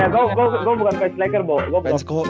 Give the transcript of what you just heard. gua bukan fanslacker boh